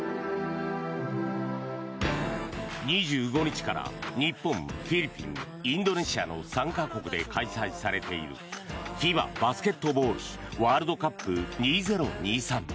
２５日から日本、フィリピンインドネシアの３か国で開催されているＦＩＢＡバスケットボールワールドカップ２０２３。